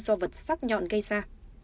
do vật sắc nhọn gây ra